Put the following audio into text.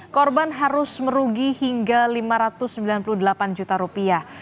korban harus merugi hingga lima ratus sembilan puluh delapan juta rupiah